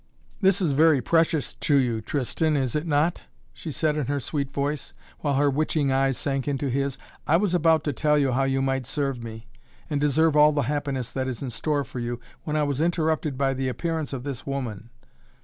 "This is very precious to you, Tristan, is it not?" she said in her sweet voice, while her witching eyes sank into his. "I was about to tell you how you might serve me, and deserve all the happiness that is in store for you when I was interrupted by the appearance of this woman.